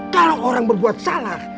kalau orang berbuat salah